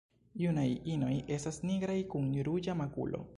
Junaj inoj estas nigraj kun ruĝa makulo.